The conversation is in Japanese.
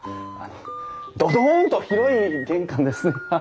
あのドドンと広い玄関ですね